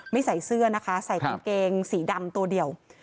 ใส่เสื้อนะคะใส่กางเกงสีดำตัวเดียว